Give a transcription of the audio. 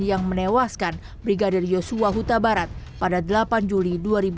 yang menewaskan brigadir joshua hutabarat pada delapan juli dua ribu dua puluh